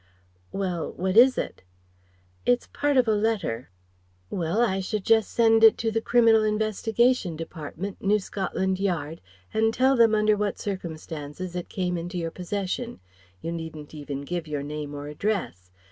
"Well, what is it?" "It's part of a letter." "Well, I should just send it to the Criminal Investigation Department, New Scotland Yard, and tell them under what circumstances it came into your possession. You needn't even give your name or address.